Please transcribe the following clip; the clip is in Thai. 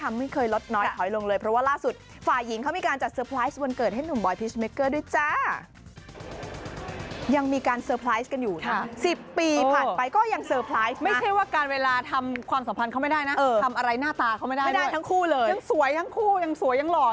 ทำอะไรหน้าตาเขาไม่ได้ด้วยยังสวยทั้งคู่ยังรออยู่เลย